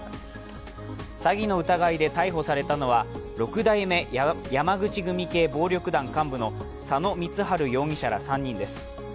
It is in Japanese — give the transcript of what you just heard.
詐欺の疑いで逮捕されたのは六代目山口組系暴力団幹部の佐野光治容疑者ら３人です。